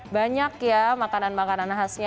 banyak ya makanan makanan khasnya